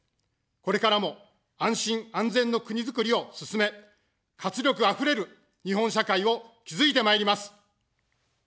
これからも、安心・安全の国づくりを進め、活力あふれる日本社会を築いてまいります。